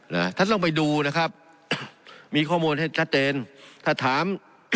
นะท่านต้องไปดูนะครับมีข้อมูลให้ชัดเจนถ้าถาม